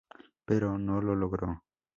Pero, no lo logró.